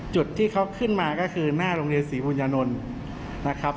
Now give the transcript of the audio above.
จุดที่เขาขึ้นมาก็คือหน้าโรงเรียนศรีบุญญานนท์นะครับ